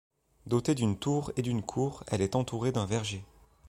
Dotée d'une tour et d'une cour, elle est entourée d'un verger.